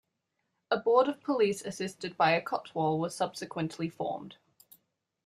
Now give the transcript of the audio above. A Board of Police assisted by a Kotwal was subsequently formed.